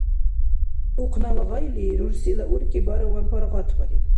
Ухънала гъайли рурсила уркӀи бараван паргъатбариб.